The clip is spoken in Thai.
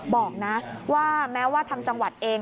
บอกนะว่าแม้ว่าทางจังหวัดเอง